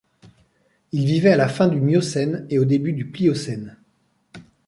Il vivait à la fin du Miocène et au début du Pliocène.